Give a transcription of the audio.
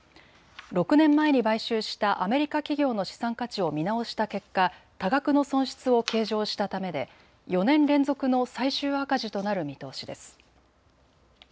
６年前に買収したアメリカ企業の資産価値を見直した結果、多額の損失を計上したためで４年連続の最終赤字となる見通しです。